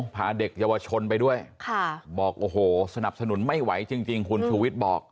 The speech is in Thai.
พาเด็กเยาวชนไปด้วยบอกโอ้โหสนับสนุนไม่ไหวจริงคุณชูวิทย์บอก